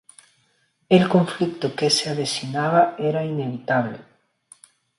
El conflicto que se avecinaba era inevitable.